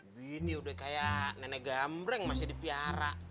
bini udah kaya nenek gamreng masih dipiara